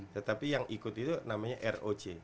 tetapi yang ikut itu namanya roc